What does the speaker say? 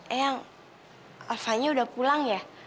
eang alfanya udah pulang ya